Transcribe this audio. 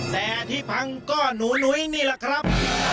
แต่ที่พังก็หนูนุ้ยนี่แหละครับ